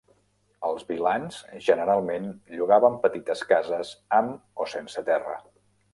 Els vilans generalment llogaven petites cases, amb o sense terra.